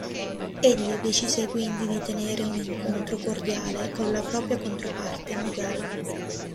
Egli decise quindi di tenere un incontro cordiale con la propria controparte mughal.